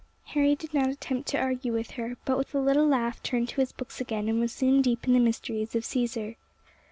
Harry did not attempt to argue with her, but with a little laugh turned to his books again, and was soon deep in the mysteries of Cæsar.